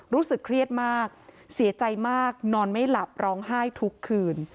รู้สึกเครียดมากเสียใจมากนอนไม่หลับร้องไห้ทุกคืน